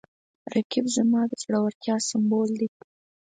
رقیب زما د زړورتیا سمبول دی